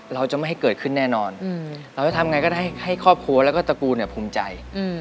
เราจะไม่ให้เกิดขึ้นแน่นอนเราจะทำไงก็ได้ให้ครอบครัวแล้วก็ตระกูลภูมิใจ